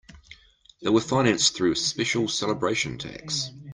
They were financed through a special celebration tax.